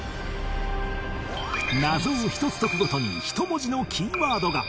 謎を１つ解くごとに１文字のキーワードが